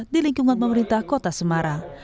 di lingkungan pemerintah kota semarang